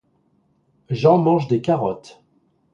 Jean mange des carottes.